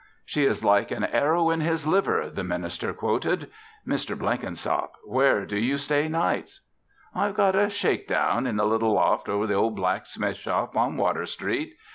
"She is like an arrow in his liver," the minister quoted. "Mr. Blenkinsop, where do you stay nights?" "I've a shake down in the little loft over the ol' blacksmith shop on Water Street.